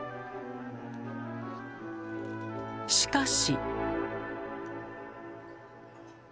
しかし。